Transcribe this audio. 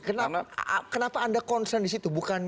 kenapa anda concern di situ